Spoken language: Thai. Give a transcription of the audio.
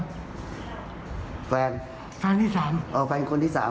ขอบคุณครับนะครับ